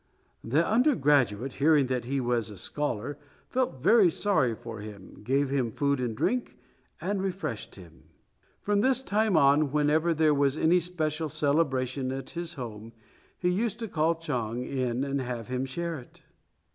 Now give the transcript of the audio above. The undergraduate, hearing that he was a scholar, felt very sorry for him, gave him food and drink, and refreshed him. From this time on, whenever there was any special celebration at his home, he used to call Chang in and have him share it.